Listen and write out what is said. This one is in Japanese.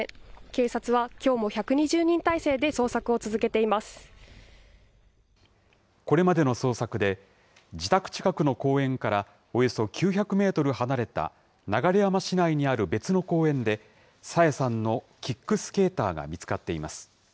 警察はきょうも１２０人態勢で捜これまでの捜索で、自宅近くの公園からおよそ９００メートル離れた流山市内にある別の公園で、朝芽さんのキックスケーターが見つかっています。